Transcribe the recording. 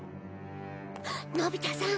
のび太さん。